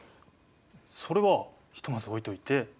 それはひとまず置いといて。